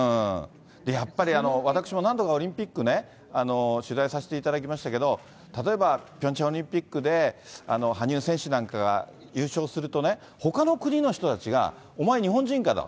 やっぱり、私も何度かオリンピックね、取材させていただきましたけど、例えばピョンチャンオリンピックで、羽生選手なんかが優勝するとね、ほかの国の人たちが、お前、日本人かと。